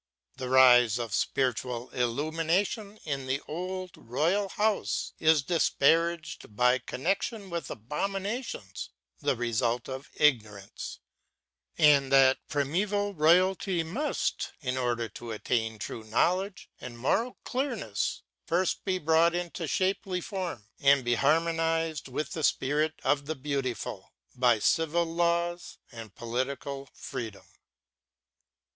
The rise of spiritual illumination in the old royal house is disparaged by connection with abominations, the result of ignor ance; and that primeval royalty must â in order to attain true knowledge and moral clearness â first be brought into shapely form, and be harmonized with the Spirit of the Beautiful, by civil laws and political freedom.